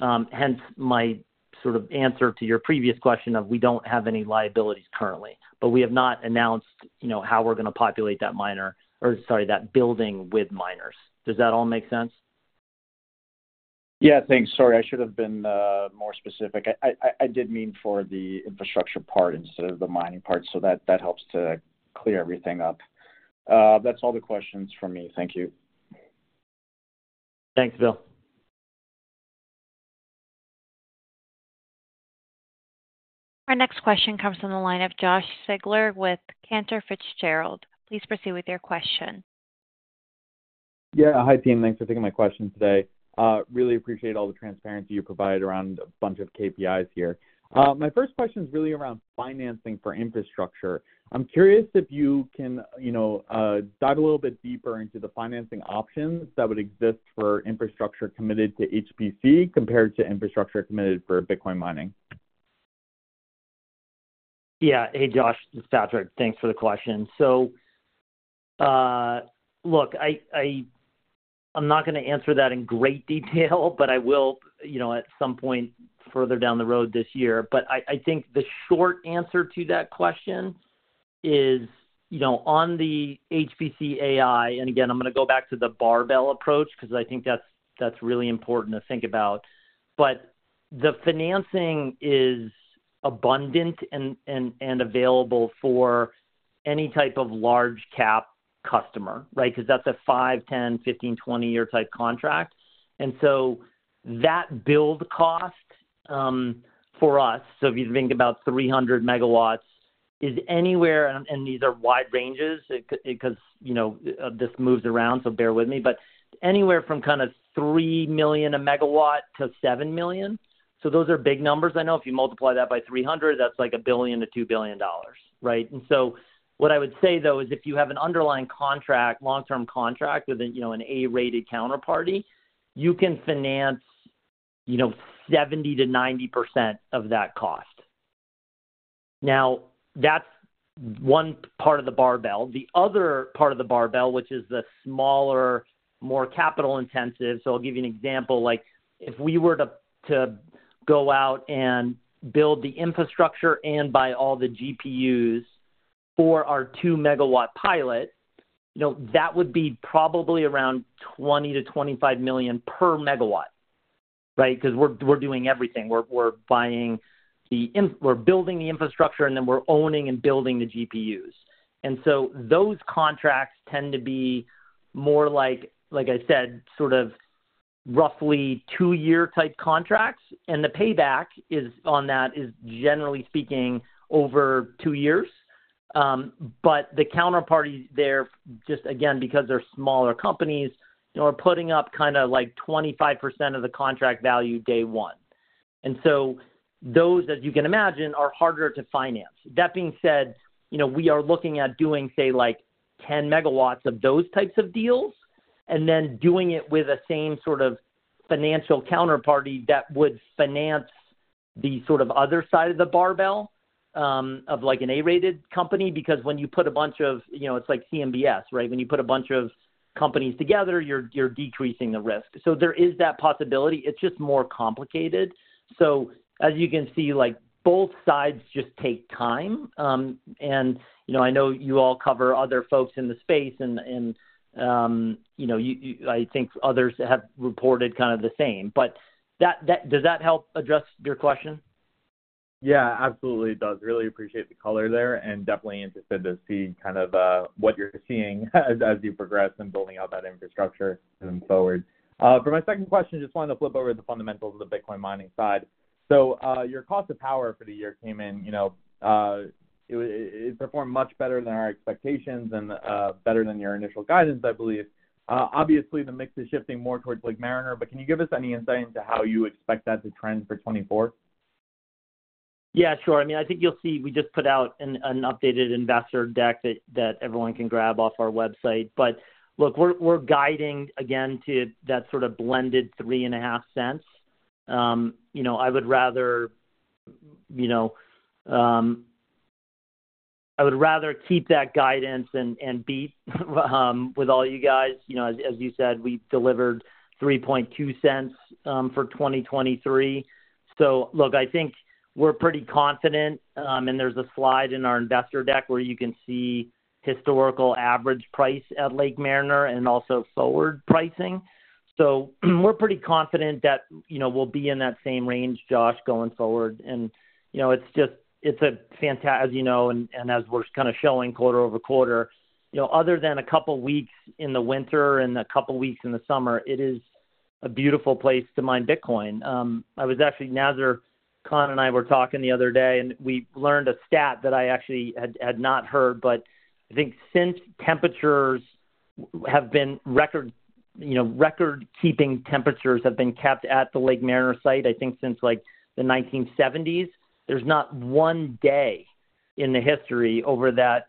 S4: Hence, my sort of answer to your previous question of we don't have any liabilities currently. But we have not announced how we're going to populate that mine or, sorry, that building with miners. Does that all make sense?
S8: Yeah. Thanks. Sorry, I should have been more specific. I did mean for the infrastructure part instead of the mining part. So that helps to clear everything up. That's all the questions for me. Thank you.
S4: Thanks, Bill.
S1: Our next question comes on the line of Josh Siegler with Cantor Fitzgerald. Please proceed with your question.
S9: Yeah. Hi, team. Thanks for taking my question today. Really appreciate all the transparency you provide around a bunch of KPIs here. My first question is really around financing for infrastructure. I'm curious if you can dive a little bit deeper into the financing options that would exist for infrastructure committed to HPC compared to infrastructure committed for Bitcoin mining.
S4: Yeah. Hey, Josh. It's Patrick. Thanks for the question. So, look, I'm not going to answer that in great detail, but I will at some point further down the road this year. But I think the short answer to that question is on the HPC AI and, again, I'm going to go back to the barbell approach because I think that's really important to think about. But the financing is abundant and available for any type of large-cap customer, right, because that's a 5-, 10-, 15-, 20-year type contract. And so that build cost for us so if you think about 300 MW, is anywhere and these are wide ranges because this moves around, so bear with me. But anywhere from kind of $3 million a MW to $7 million. So those are big numbers. I know if you multiply that by 300, that's like $1 billion-$2 billion, right? And so what I would say, though, is if you have an underlying contract, long-term contract with an A-rated counterparty, you can finance 70%-90% of that cost. Now, that's one part of the barbell. The other part of the barbell, which is the smaller, more capital-intensive so I'll give you an example. If we were to go out and build the infrastructure and buy all the GPUs for our 2-megawatt pilot, that would be probably around $20 million-$25 million per megawatt, right, because we're doing everything. We're building the infrastructure, and then we're owning and building the GPUs. And so those contracts tend to be more like, like I said, sort of roughly two-year type contracts. And the payback on that is, generally speaking, over two years. But the counterparties there, just again, because they're smaller companies, are putting up kind of like 25% of the contract value day one. And so those, as you can imagine, are harder to finance. That being said, we are looking at doing, say, like 10 MW of those types of deals and then doing it with the same sort of financial counterparty that would finance the sort of other side of the barbell of an A-rated company because when you put a bunch of, it's like CMBS, right? When you put a bunch of companies together, you're decreasing the risk. So there is that possibility. It's just more complicated. So, as you can see, both sides just take time. And I know you all cover other folks in the space, and I think others have reported kind of the same. But does that help address your question?
S9: Yeah. Absolutely, it does. Really appreciate the color there and definitely interested to see kind of what you're seeing as you progress in building out that infrastructure going forward. For my second question, just wanted to flip over to the fundamentals of the Bitcoin mining side. So your cost of power for the year came in, it performed much better than our expectations and better than your initial guidance, I believe. Obviously, the mix is shifting more towards Lake Mariner. But can you give us any insight into how you expect that to trend for 2024?
S4: Yeah. Sure. I mean, I think you'll see we just put out an updated investor deck that everyone can grab off our website. But look, we're guiding, again, to that sort of blended $0.035. I would rather keep that guidance and beat with all you guys. As you said, we delivered $0.032 for 2023. So look, I think we're pretty confident. And there's a slide in our investor deck where you can see historical average price at Lake Mariner and also forward pricing. So we're pretty confident that we'll be in that same range, Josh, going forward. And it's fantastic as you know and as we're kind of showing quarter-over-quarter, other than a couple of weeks in the winter and a couple of weeks in the summer; it is a beautiful place to mine Bitcoin. I was actually Nazar Khan and I were talking the other day, and we learned a stat that I actually had not heard. But I think since temperatures have been record-keeping temperatures have been kept at the Lake Mariner site, I think since the 1970s, there's not one day in the history over that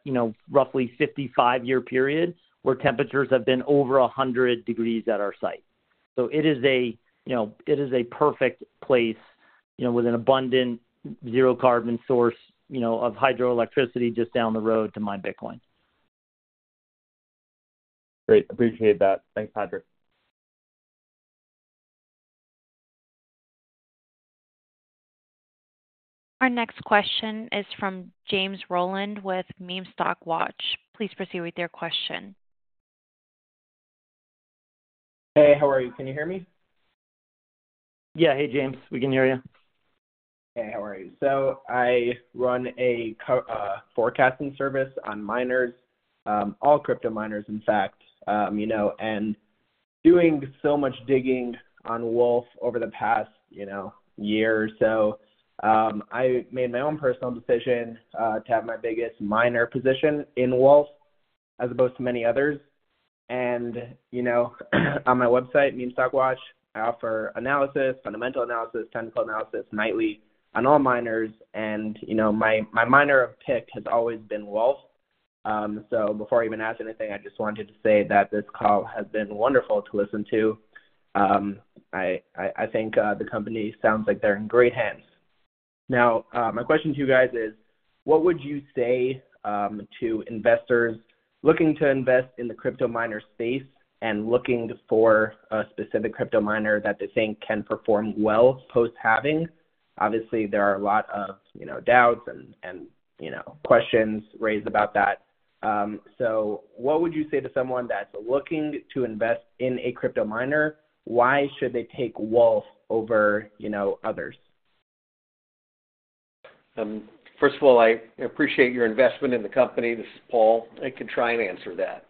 S4: roughly 55-year period where temperatures have been over 100 degrees at our site. So it is a perfect place with an abundant zero-carbon source of hydroelectricity just down the road to mine Bitcoin.
S9: Great. Appreciate that. Thanks, Patrick.
S1: Our next question is from James Roland with Meme Stock Watch. Please proceed with your question.
S10: Hey. How are you? Can you hear me?
S4: Yeah. Hey, James. We can hear you.
S10: Hey. How are you? So I run a forecasting service on miners, all crypto miners, in fact. And doing so much digging on Wolf over the past year or so, I made my own personal decision to have my biggest miner position in Wolf as opposed to many others. And on my website, Meme Stock Watch, I offer analysis, fundamental analysis, technical analysis nightly on all miners. And my miner of pick has always been Wolf. So before I even ask anything, I just wanted to say that this call has been wonderful to listen to. I think the company sounds like they're in great hands. Now, my question to you guys is, what would you say to investors looking to invest in the crypto miner space and looking for a specific crypto miner that they think can perform well post-halving? Obviously, there are a lot of doubts and questions raised about that. So what would you say to someone that's looking to invest in a crypto miner? Why should they take Wolf over others?
S3: First of all, I appreciate your investment in the company. This is Paul. I can try and answer that.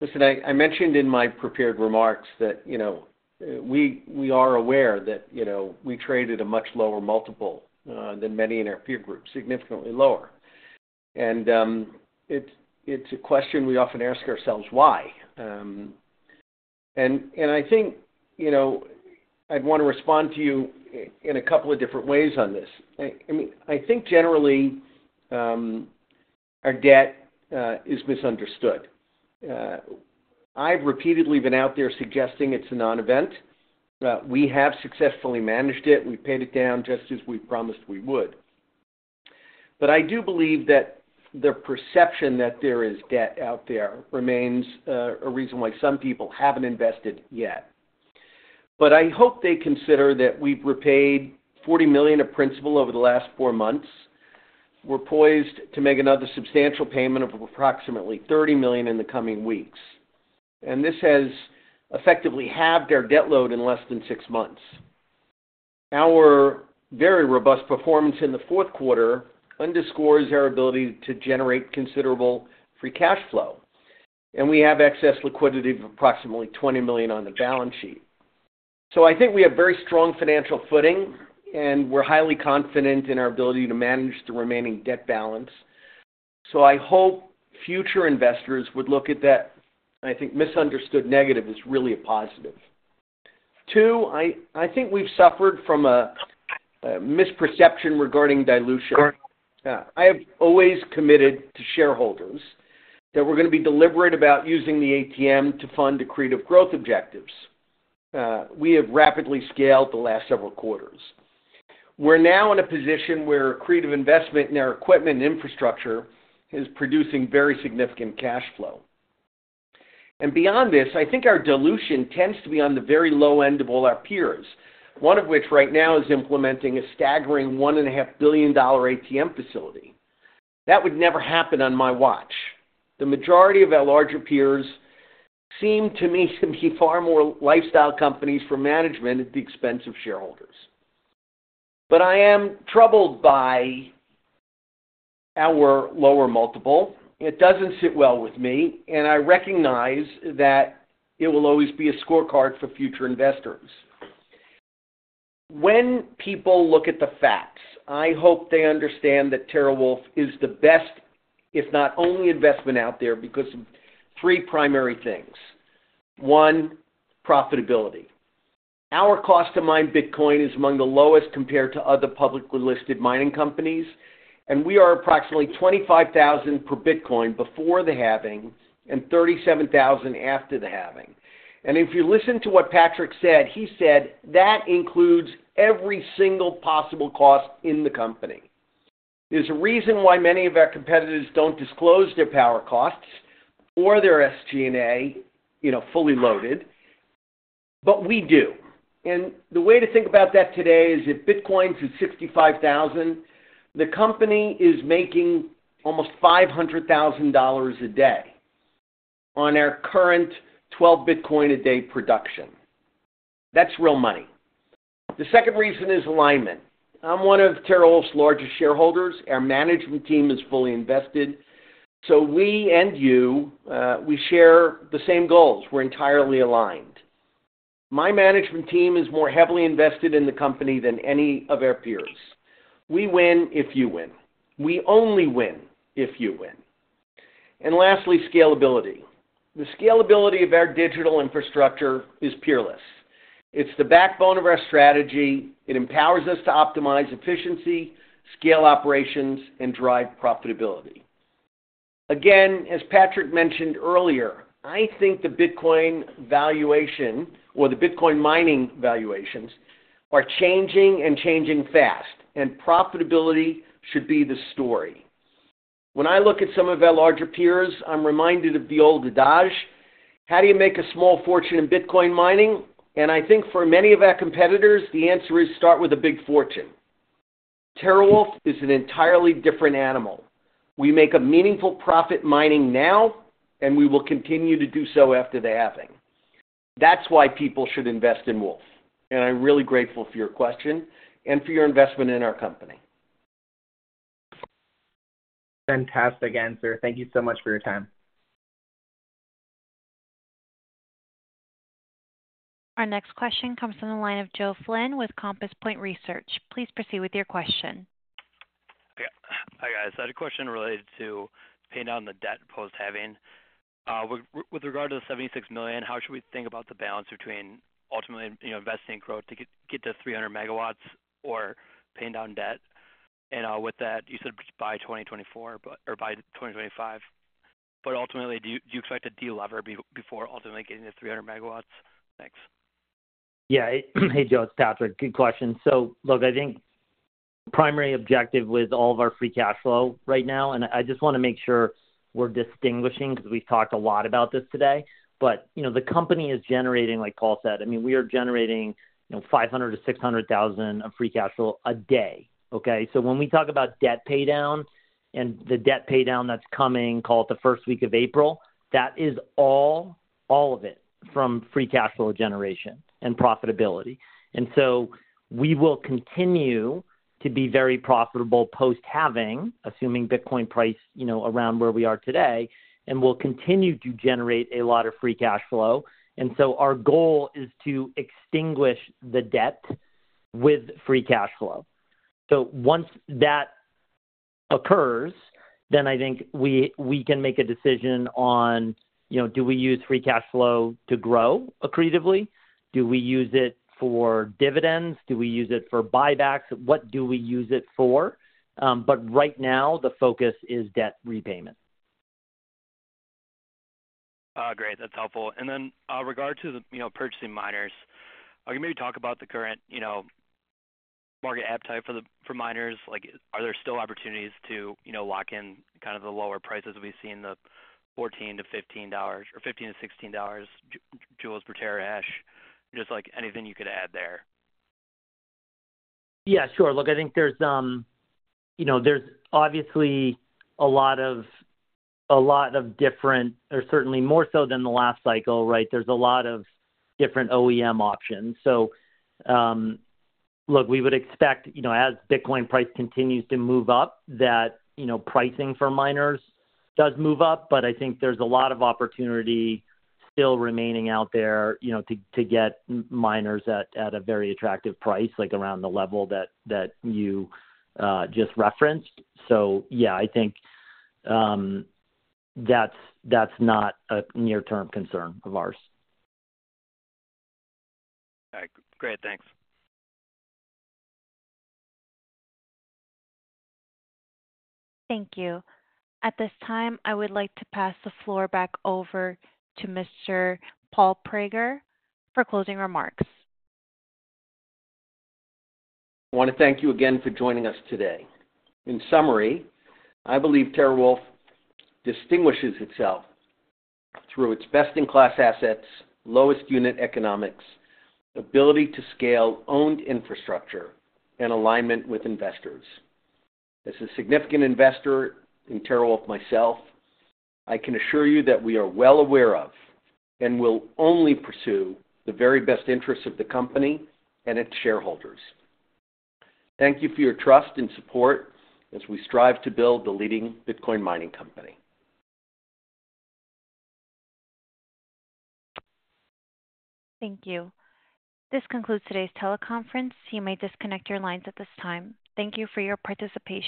S3: Listen, I mentioned in my prepared remarks that we are aware that we traded a much lower multiple than many in our peer group, significantly lower. It's a question we often ask ourselves, why? I think I'd want to respond to you in a couple of different ways on this. I mean, I think, generally, our debt is misunderstood. I've repeatedly been out there suggesting it's a non-event. We have successfully managed it. We paid it down just as we promised we would. I do believe that the perception that there is debt out there remains a reason why some people haven't invested yet. I hope they consider that we've repaid $40 million of principal over the last four months. We're poised to make another substantial payment of approximately $30 million in the coming weeks. This has effectively halved our debt load in less than six months. Our very robust performance in the fourth quarter underscores our ability to generate considerable free cash flow. We have excess liquidity of approximately $20 million on the balance sheet. I think we have very strong financial footing, and we're highly confident in our ability to manage the remaining debt balance. I hope future investors would look at that. I think misunderstood negative is really a positive. Two, I think we've suffered from a misperception regarding dilution. I have always committed to shareholders that we're going to be deliberate about using the ATM to fund accretive growth objectives. We have rapidly scaled the last several quarters. We're now in a position where creative investment in our equipment and infrastructure is producing very significant cash flow. Beyond this, I think our dilution tends to be on the very low end of all our peers, one of which right now is implementing a staggering $1.5 billion ATM facility. That would never happen on my watch. The majority of our larger peers seem to me to be far more lifestyle companies for management at the expense of shareholders. I am troubled by our lower multiple. It doesn't sit well with me. I recognize that it will always be a scorecard for future investors. When people look at the facts, I hope they understand that TeraWulf is the best, if not only, investment out there because of three primary things. One, profitability. Our cost to mine Bitcoin is among the lowest compared to other publicly listed mining companies. We are approximately $25,000 per Bitcoin before the halving and $37,000 after the halving. If you listen to what Patrick said, he said that includes every single possible cost in the company. There's a reason why many of our competitors don't disclose their power costs or their SG&A fully loaded, but we do. The way to think about that today is if Bitcoin's at $65,000, the company is making almost $500,000 a day on our current 12 Bitcoin a day production. That's real money. The second reason is alignment. I'm one of TeraWulf's largest shareholders. Our management team is fully invested. So we and you, we share the same goals. We're entirely aligned. My management team is more heavily invested in the company than any of our peers. We win if you win. We only win if you win. Lastly, scalability. The scalability of our digital infrastructure is peerless. It's the backbone of our strategy. It empowers us to optimize efficiency, scale operations, and drive profitability. Again, as Patrick mentioned earlier, I think the Bitcoin valuation or the Bitcoin mining valuations are changing and changing fast. Profitability should be the story. When I look at some of our larger peers, I'm reminded of the old adage, "How do you make a small fortune in Bitcoin mining?" I think for many of our competitors, the answer is start with a big fortune. TeraWulf is an entirely different animal. We make a meaningful profit mining now, and we will continue to do so after the halving. That's why people should invest in Wolf. I'm really grateful for your question and for your investment in our company.
S10: Fantastic answer. Thank you so much for your time.
S1: Our next question comes from the line of Joe Flynn with Compass Point Research. Please proceed with your question.
S11: Hi, guys. I had a question related to paying down the debt post-halving. With regard to the $76 million, how should we think about the balance between ultimately investing in growth to get to 300 MW or paying down debt? And with that, you said by 2024 or by 2025. But ultimately, do you expect to de-lever before ultimately getting to 300 MW? Thanks.
S4: Yeah. Hey, Joe. It's Patrick. Good question. So, look, I think primary objective with all of our free cash flow right now and I just want to make sure we're distinguishing because we've talked a lot about this today. But the company is generating, like Paul said, I mean, we are generating $500,000-$600,000 of free cash flow a day, okay? So when we talk about debt paydown and the debt paydown that's coming, call it the first week of April, that is all of it from free cash flow generation and profitability. And so we will continue to be very profitable post-halving, assuming Bitcoin price around where we are today, and we'll continue to generate a lot of free cash flow. And so our goal is to extinguish the debt with free cash flow. So once that occurs, then I think we can make a decision on, do we use free cash flow to grow accretively? Do we use it for dividends? Do we use it for buybacks? What do we use it for? But right now, the focus is debt repayment.
S11: Great. That's helpful. And then with regard to the purchasing miners, can you maybe talk about the current market appetite for miners? Are there still opportunities to lock in kind of the lower prices we've seen, the $14-$15 or $15-$16 joules per terahash, just anything you could add there?
S4: Yeah. Sure. Look, I think there's obviously a lot of different or certainly more so than the last cycle, right? There's a lot of different OEM options. So, look, we would expect, as Bitcoin price continues to move up, that pricing for miners does move up. But I think there's a lot of opportunity still remaining out there to get miners at a very attractive price, around the level that you just referenced. So, yeah, I think that's not a near-term concern of ours.
S11: All right. Great. Thanks.
S1: Thank you. At this time, I would like to pass the floor back over to Mr. Paul Prager for closing remarks.
S3: I want to thank you again for joining us today. In summary, I believe TeraWulf distinguishes itself through its best-in-class assets, lowest unit economics, ability to scale owned infrastructure, and alignment with investors. As a significant investor in TeraWulf myself, I can assure you that we are well aware of and will only pursue the very best interests of the company and its shareholders. Thank you for your trust and support as we strive to build the leading Bitcoin mining company.
S1: Thank you. This concludes today's teleconference. You may disconnect your lines at this time. Thank you for your participation.